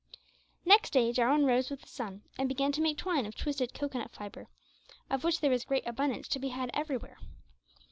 Next day Jarwin rose with the sun, and began to make twine of twisted cocoanut fibre of which there was great abundance to be had everywhere.